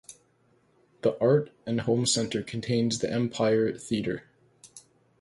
The Art and Home Center contains the Empire Theatre.